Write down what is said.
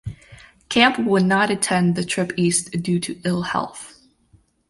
Camp would not attend the trip East due to ill health.